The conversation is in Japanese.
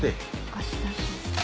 貸し出し。